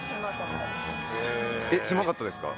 狭かったですか？